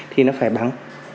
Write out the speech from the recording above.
thì nó phải bằng